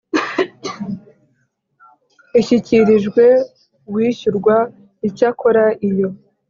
ishyikirijwe uwishyurwa Icyakora iyo